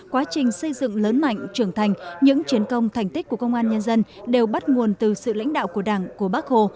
quá trình xây dựng lớn mạnh trưởng thành những chiến công thành tích của công an nhân dân đều bắt nguồn từ sự lãnh đạo của đảng của bác hồ